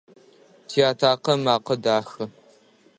Тиатакъэ ымакъэ дахэ.